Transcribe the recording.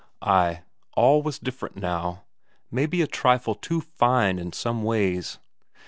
Ay, all was different now maybe a trifle too fine in some ways.